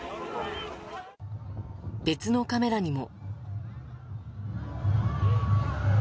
別のカメラにも。